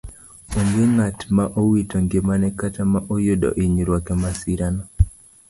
Onge ng'at ma owito ngimane kata ma oyudo inyruok emasirano.